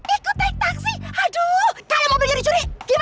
ikut naik taksi aduh kayak mobilnya dicuri gimana